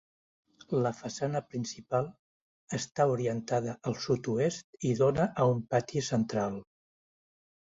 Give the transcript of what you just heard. La façana principal està orientada al sud-oest i dóna a un pati central.